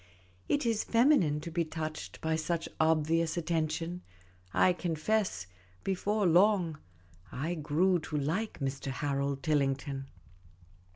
It is feminine to be touched by such obvious attention ; I confess, before long, I grew to like Mr. Harold Tillington.